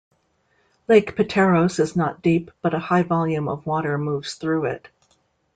Lake Pateros is not deep but a high volume of water moves through it.